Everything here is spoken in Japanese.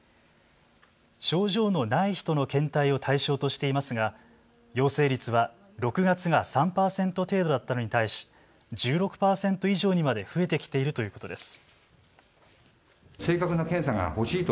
症状のない人の検体を対象としていますが陽性率は６月が３％程度だったのに対し１６％以上にまで増えてきているということです。